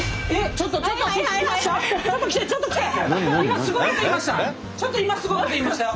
ちょっと今すごいこと言いましたよ。